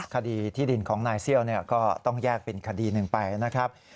คดีที่ดินของนายเซี่ยวก็ต้องแยกเป็นคดีหนึ่งไปนะครับ